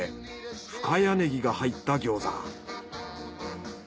深谷ネギが入った餃子。